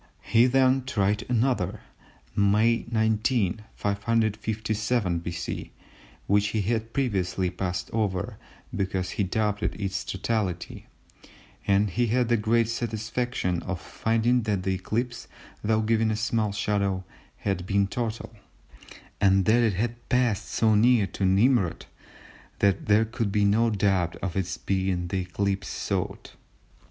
He then tried another (May 19, 557 B.C.) which he had previously passed over because he doubted its totality, and he had the great satisfaction of finding that the eclipse, though giving a small shadow, had been total, and that it had passed so near to Nimrud that there could be no doubt of its being the eclipse sought.